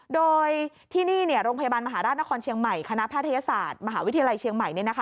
โดยที่นี่โรงพยาบาลมหาราชนครเชียงใหม่คณะแพทยศาสตร์มหาวิทยาลัยเชียงใหม่